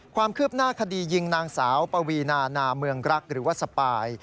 ความคืบหน้าคดียิงนางสาวปวีนานาเมืองรักหรือว่าสปาย